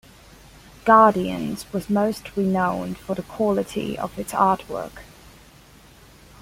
"Guardians" was most renowned for the quality of its artwork.